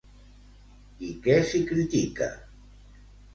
I què s'hi critica?